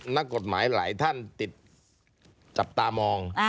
นักกฎหมายหลายท่านติดจับตามอง